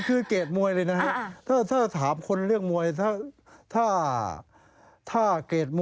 สุรชัยหน้าแขกแทด